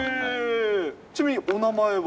ちなみにお名前は？